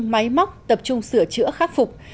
máy móc tập trung sửa chữa khắc phục